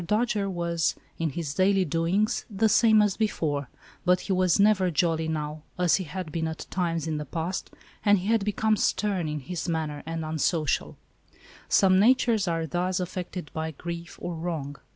Dojere was, in his daily doings, the same as before, but he was never jolly now, as he had been at times in the past, and he had become stern in his manner and unsocial. Some natures are thus affected by grief or wrong.